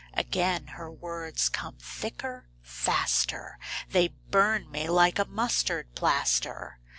Again her words come thicker, faster, They burn me like a mustard plaster.